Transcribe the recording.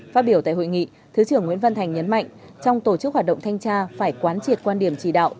phát biểu tại hội nghị thứ trưởng nguyễn văn thành nhấn mạnh trong tổ chức hoạt động thanh tra phải quán triệt quan điểm chỉ đạo